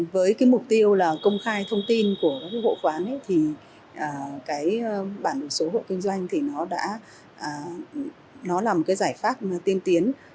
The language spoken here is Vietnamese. với mục tiêu là công khai thông tin của các hộ khoán thì bản đồ số hộ kinh doanh là một giải pháp tiên tiến